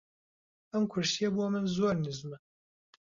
ئەم کورسییە بۆ من زۆر نزمە.